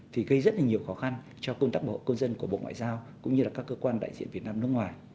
thì gây rất là nhiều khó khăn cho công tác bảo hộ công dân của bộ ngoại giao cũng như là các cơ quan đại diện việt nam nước ngoài